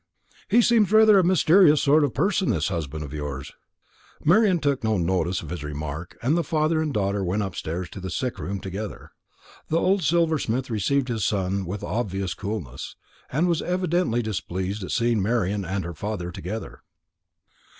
"Humph! He seems rather a mysterious sort of person, this husband of yours." Marian took no notice of this remark, and the father and daughter went upstairs to the sick room together. The old silversmith received his son with obvious coolness, and was evidently displeased at seeing Marian and her father together.